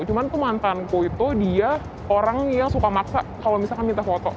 cuman tuh mantanku itu dia orang yang suka maksa kalau misalkan minta foto